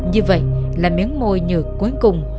như vậy là miếng môi nhược cuối cùng